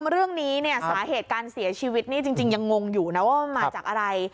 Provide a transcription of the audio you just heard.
เรื่องนี้เนี่ยสาเหตุการเสียชีวิตนี่จริงยังงงอยู่นะว่ามันมาจากอะไร